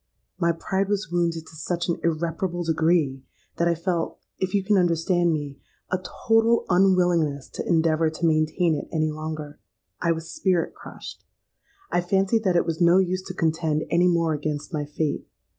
My pride was wounded to such an irreparable degree, that I felt, if you can understand me, a total unwillingness to endeavour to maintain it any longer. I was spirit crushed. I fancied that it was no use to contend any more against my fate.